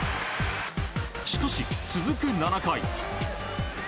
しかし、続く７回。